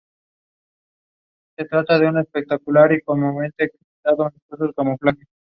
Esto dio comienzo al Sultanato ayubí de Egipto y Siria.